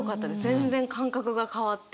全然感覚が変わって。